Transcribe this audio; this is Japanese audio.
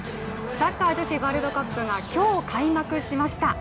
サッカー女子ワールドカップが今日、開幕しました。